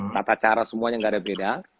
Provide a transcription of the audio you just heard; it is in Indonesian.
tata cara semuanya nggak ada beda